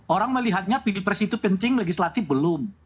orang melihatnya pilpres itu penting legislatif belum